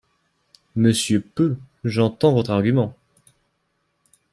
Monsieur Peu, j’entends votre argument.